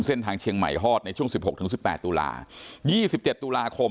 เส้นทางเชียงใหม่ฮอดในช่วงสิบหกถึงสิบแปดตุลายี่สิบเจ็ดตุลาคม